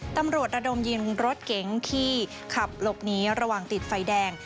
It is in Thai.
ระดมยิงรถเก๋งที่ขับหลบหนีระหว่างติดไฟแดง